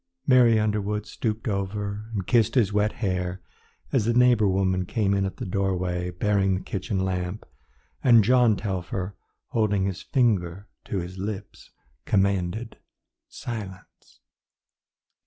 Mary Underwood stooped over and kissed his wet hair as the neighbour woman came in at the doorway bearing the kitchen lamp, and John Telfer, holding his finger to his lips, commanded silence.